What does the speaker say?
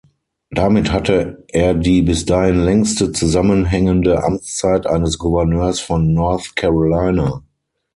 Damit hatte er die bis dahin längste zusammenhängende Amtszeit eines Gouverneurs von North Carolina.